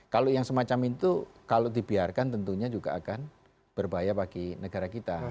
kalau yang semacam itu kalau dibiarkan tentunya juga akan berbahaya bagi negara kita